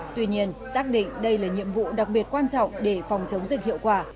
tuy nhiên xác định đây là nhiệm vụ đặc biệt quan trọng để phòng chống dịch hiệu quả